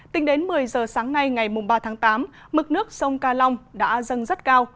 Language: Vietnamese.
tính đến một mươi giờ sáng nay ngày ba tháng tám mực nước sông ca long đã dâng rất cao